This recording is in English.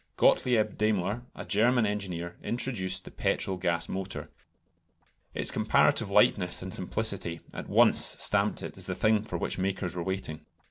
Gottlieb Daimler, a German engineer, introduced the petrol gas motor. Its comparative lightness and simplicity at once stamped it as the thing for which makers were waiting.